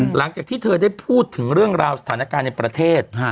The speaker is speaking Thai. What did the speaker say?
หลังจากที่เธอได้พูดถึงเรื่องราวสถานการณ์ในประเทศ